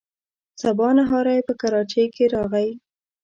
سبا نهاری په کراچۍ کې راغی.